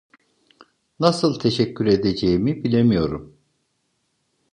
Nasıl teşekkür edeceğimi bilemiyorum.